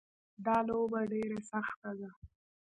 دا لوبه ډېره سخته ده